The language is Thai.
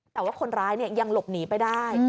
แต่ว่าคนร้ายยังหลบหนีไปได้